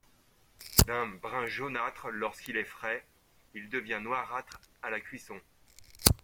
D'un brun jaunâtre lorsqu'il est frais, il devient noirâtre à la cuisson.